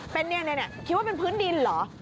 เป็นเนี่ยคิดว่าเป็นพื้นดินเหรอ